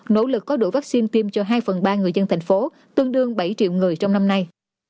nỗ lực có đủ vaccine tiêm cho hai phần ba người dân thành phố tương đương bảy triệu người trong năm nay